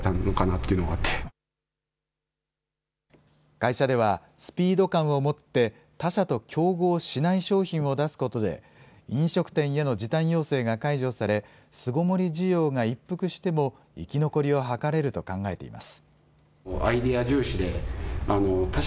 会社では、スピード感を持って他社と競合しない商品を出すことで、飲食店への時短要請が解除され、巣ごもり需要が一服しても、生き残りを図れると考えています。